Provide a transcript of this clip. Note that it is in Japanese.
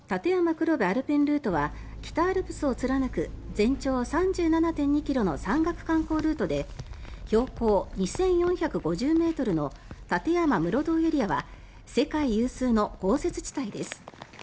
黒部アルペンルートは北アルプスを貫く全長３７．２ｋｍの山岳観光ルートで標高２４５０ｍの立山室堂エリアは世界有数の豪雪地帯です。